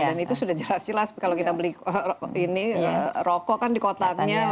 dan itu sudah jelas jelas kalau kita beli ini rokok kan di kotaknya menyebabkannya